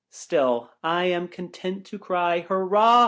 Still, I am content to cry, Hurrah